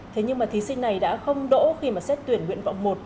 thế nhưng mà thí sinh này đã không đỗ khi mà xét tuyển nguyện vọng một